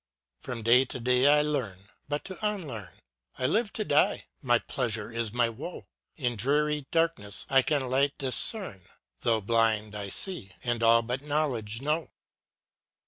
From day to day I learn, but to unlearn, I live to die my pleasure is my woe : In dreary darkness I can light discern, Though blind, I see, and all but knowledge know.